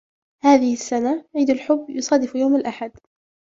هذه السنة, عيد الحب يصادف يوم الاحد.